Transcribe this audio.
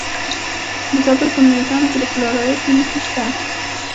د زابل په میزانه کې د فلورایټ نښې شته.